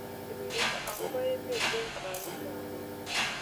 Kimii kaniset eng tililindo akobo emet eng kararando ab borwek